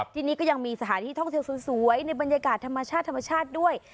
ที่นี่ก็ยังมีสถานที่ท่องเที่ยวสวยในบรรยากาศธรรมชาติธรรมชาติด้วย